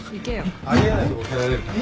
あり得ないとこ蹴られるから。